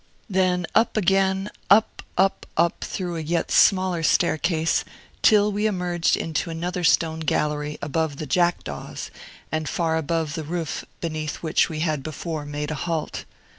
Then up again, up, up, up, through a yet smaller staircase, till we emerged into another stone gallery, above the jackdaws, and far above the roof beneath which we had before made a halt.